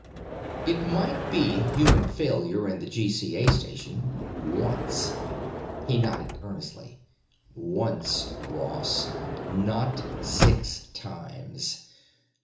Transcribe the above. It might be a human failure in the GCA station—once." He nodded earnestly. "Once, Ross. Not six times.